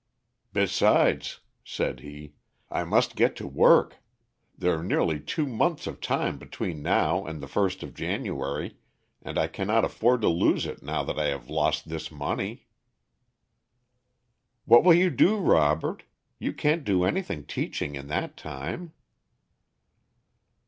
"Besides," said he, "I must get to work. There are nearly two months of time between now and the first of January, and I cannot afford to lose it now that I have lost this money." "What will you do, Robert? You can't do anything teaching in that time."